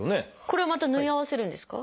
これをまた縫い合わせるんですか？